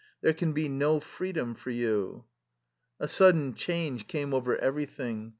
There can be no freedom for you !'' A sudden change came over everything.